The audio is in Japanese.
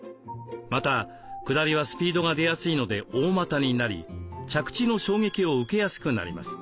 またくだりはスピードが出やすいので大股になり着地の衝撃を受けやすくなります。